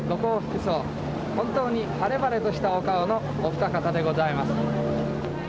本当に晴れ晴れとしたお顔のお二方でございます」。